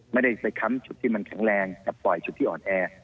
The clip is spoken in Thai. ไม่ได้ไปค้ำจุดที่มันแข็งแรงแต่ปล่อยจุดที่อ่อนแอ